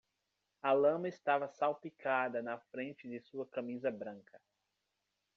A lama estava salpicada na frente de sua camisa branca.